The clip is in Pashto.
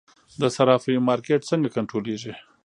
د صرافیو مارکیټ څنګه کنټرولیږي؟